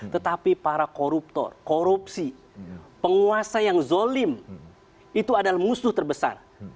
tetapi para koruptor korupsi penguasa yang zolim itu adalah musuh terbesar